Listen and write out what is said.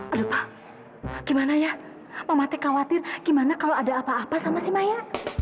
aduh pa gimana ya mama teteh khawatir gimana kalau ada apa apa sama si maya